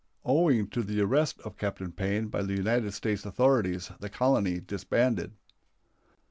Owing to the arrest of Captain Payne by the United States authorities the colony disbanded.